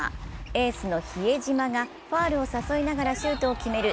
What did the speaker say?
エースの比江島がファウルを誘いながらシュートを決める